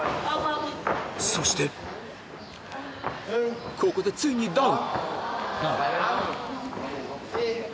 そしてここでついにダウン！